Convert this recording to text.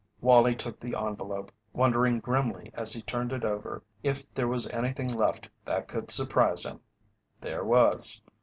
Wallie took the envelope, wondering grimly as he turned it over if there was anything left that could surprise him. There was.